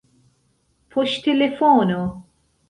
poŝtelefono